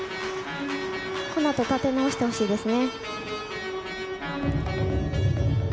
このあと立て直してほしいですね。